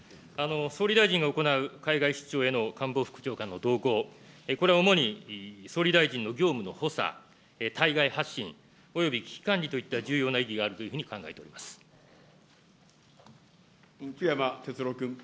総理大臣が行う海外出張への官房副長官の同行、これは主に総理大臣の業務の補佐、対外発信、および危機管理といった重要な意義が福山哲郎君。